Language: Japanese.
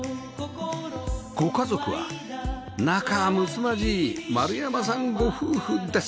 ご家族は仲睦まじい丸山さんご夫婦です